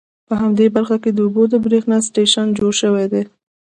په همدې برخه کې د اوبو د بریښنا سټیشن جوړ شوي دي.